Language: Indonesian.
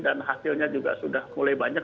dan hasilnya juga sudah mulai banyak